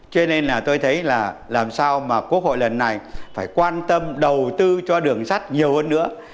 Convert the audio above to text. cho nên là tôi thấy là làm sao mà quốc hội lần này phải quan tâm đầu tư cho đường sắt nhiều hơn nữa